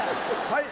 はい！